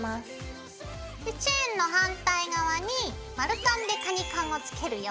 チェーンの反対側に丸カンでカニカンをつけるよ。